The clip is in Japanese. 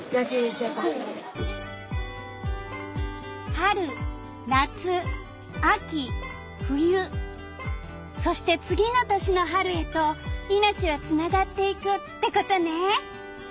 春夏秋冬そして次の年の春へといのちはつながっていくってことね！